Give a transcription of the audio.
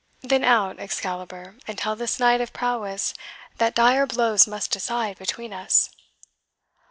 Then out, Excalibur, and tell this knight of prowess that dire blows must decide between us!"